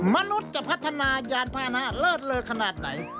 มนุษย์จะพัฒนายานพานะเลิศเลอขนาดไหน